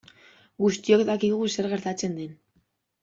Guztiok dakigu zer gertatzen den.